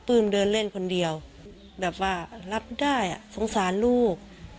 ื้มเดินเล่นคนเดียวแบบว่ารับได้สงสารลูก